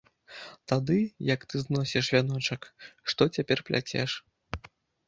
Тады, як ты зносіш вяночак, што цяпер пляцеш.